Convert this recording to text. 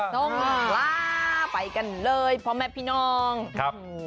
ตรงคลาไปกันเลยพร้อมไหมพี่น้องครับ